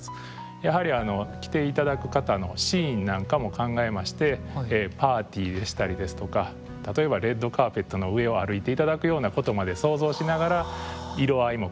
やはり着て頂く方のシーンなんかも考えましてパーティーでしたりですとか例えばレッドカーペットの上を歩いて頂くようなことまで想像しながら色合いも考えて作り上げました。